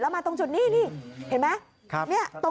แล้วมาตรงจุดนี้นี่เห็นมั้ย